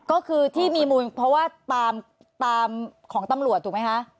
ก็คือที่มีมูลเพราะว่าตามของตำรวจถูกไหมคะ